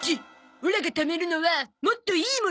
オラがためるのはもっといいものだゾ。